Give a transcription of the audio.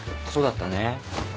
そうだったね。